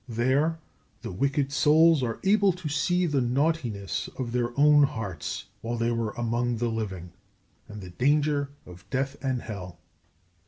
There the wicked souls are able to see the naughtiness of their own hearts while they were among the living, and the danger of death and hell.